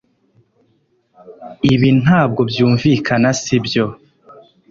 Ibi ntabwo byumvikana sibyo